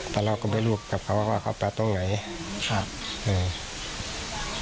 แต่เราก็ไม่รู้กับเขาว่าเขาไปตรงไหนครับเออ